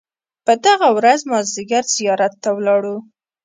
په دغه ورځ مازیګر زیارت ته ولاړو.